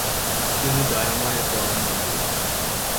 তিনি দয়াময়-পরম দয়ালু।